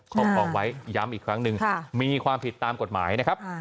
ครอบครองไว้ย้ำอีกครั้งหนึ่งมีความผิดตามกฎหมายนะครับ